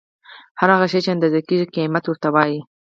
هر هغه شی چې اندازه کيږي کميت ورته وايې.